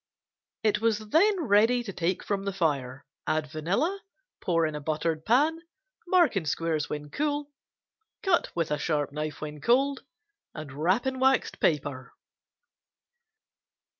It was then ready to take from the fire, add vanilla, pour in buttered pan, mark in squares when cool, cut with sharp knife when cold and wrap in waxed paper.